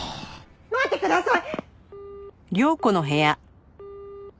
待ってください！